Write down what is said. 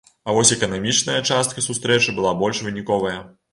А вось эканамічная частка сустрэчы была больш выніковая.